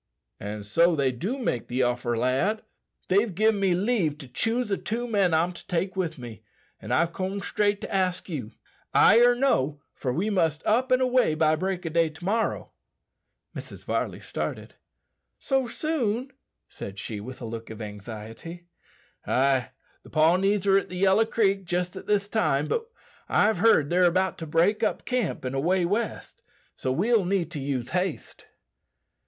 "An' so they do make the offer, lad. They've gin me leave to choose the two men I'm to take with me, and I've corned straight to ask you. Ay or no, for we must up an' away by break o' day to morrow." Mrs. Varley started. "So soon?" she said, with a look of anxiety. "Ay; the Pawnees are at the Yellow Creek jist at this time, but I've heerd they're 'bout to break up camp an' away west; so we'll need to use haste."